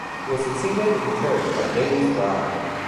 He was succeeded in turn by James Brown.